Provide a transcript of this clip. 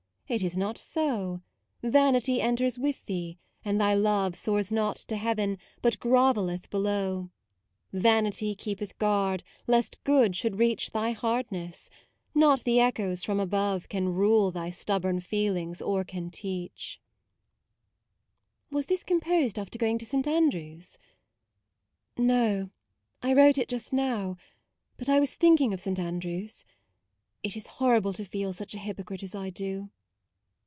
it is not so: Vanity enters with thee, and thy love Soars not to heaven, but grovelleth below. Vanity keepeth guard, lest good should reach Thy hardness; not the echoes from above Can rule thy stubborn feelings or can teach "Was this composed after going to St. Andrew's ?"" No; I wrote it just now, but I was thinking of St. Andrew's. It is MAUDE 69 horrible to feel such a hypocrite as I do."